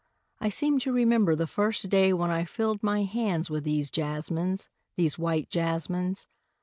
I seem to remember the first day when I filled my hands with these jasmines, these white jasmines.